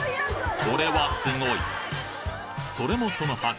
これはすごいそれもそのはず